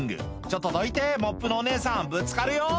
「ちょっとどいてモップのお姉さんぶつかるよ」